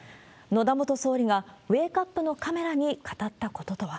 野田元総理がウェークアップのカメラに語ったこととは。